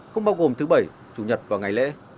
không bao gồm thứ bảy chủ nhật và ngày lễ